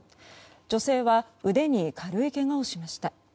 女性は腕に軽いけがをしました。